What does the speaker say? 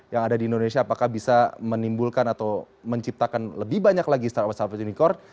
yang ada di indonesia apakah bisa menimbulkan atau menciptakan lebih banyak lagi startup startup unicorn